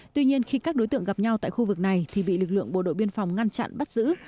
tuy nhiên khi các đối tượng gặp nhau tại khu vực này thì bị lực lượng bộ đội biên phòng ngăn chặn bắt giữ